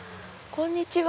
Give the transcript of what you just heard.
こんにちは。